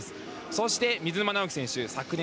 そして水沼尚輝選手。